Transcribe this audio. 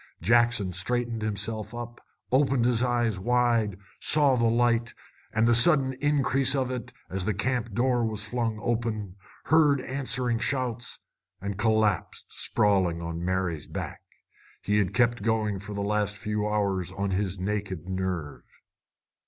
Jackson straightened himself, opened his eyes wide, saw the light, and the sudden increase of it as the camp door was flung open, heard answering shouts, and collapsed sprawling on Mary's back. He had kept going for the last few hours on his naked nerve.